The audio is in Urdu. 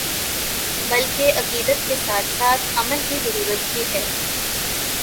بلکہ عقیدت کے ساتھ ساتھ عمل کی ضرورت بھی ہے ۔